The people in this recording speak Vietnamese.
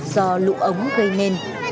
do lũ ống gây nên